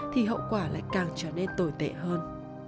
thì hậu quả lại càng trở nên tồi tệ hơn